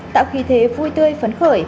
tạo khí thế vui tươi phấn khởi